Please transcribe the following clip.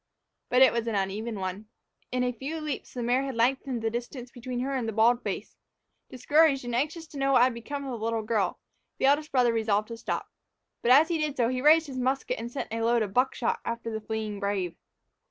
But it was an uneven one. In a few leaps the mare had lengthened the distance between her and the bald face. Discouraged, and anxious to know what had become of the little girl, the eldest brother resolved to stop. But as he did so, he raised his musket and sent a load of buckshot after the fleeting brave.